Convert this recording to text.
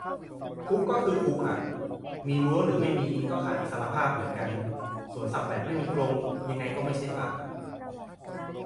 คุกก็คือคุกอ่ะ มีรั้วหรือไม่มี ก็ขาดอิสรภาพเหมือนกัน สวนสัตว์แบบไม่มีกรง ยังไงก็ไม่ใช่ป่า